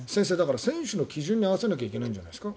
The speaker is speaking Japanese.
選手の基準に合わせなきゃいけないんじゃないですか。